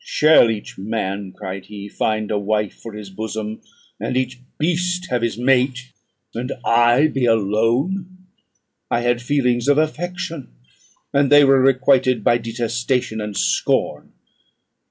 "Shall each man," cried he, "find a wife for his bosom, and each beast have his mate, and I be alone? I had feelings of affection, and they were requited by detestation and scorn.